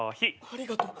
ありがとう。